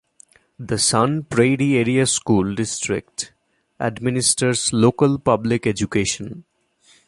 The Sun Prairie Area School District administers local public education.